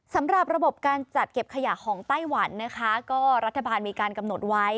สำหรับระบบการจัดเก็บขยะของไต้หวันนะคะก็รัฐบาลมีการกำหนดไว้